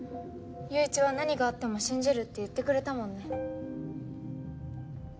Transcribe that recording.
友一は何があっても信じるって言ってくれたもんね。